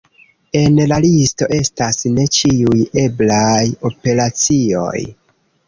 En la listo estas ne ĉiuj eblaj operacioj.